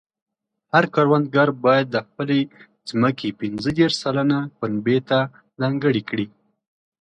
هر کروندګر باید د خپلې ځمکې پنځه دېرش سلنه پنبې ته ځانګړې کړي.